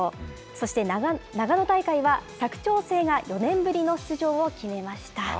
そして長野大会は佐久長聖が４年ぶりの出場を決めました。